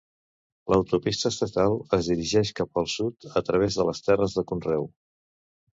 L'autopista estatal es dirigeix cap al sud a través de les terres de conreu.